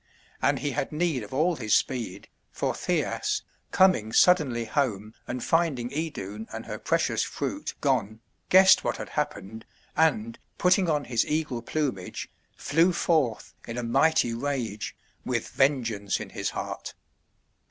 And he had need of all his speed, for Thjasse, coming suddenly home and finding Idun and her precious fruit gone, guessed what had happened, and, putting on his eagle plumage, flew forth in a mighty rage, with vengeance in his heart.